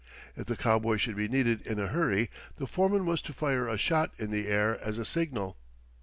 If the cowboy should be needed in a hurry the foreman was to fire a shot in the air as a signal.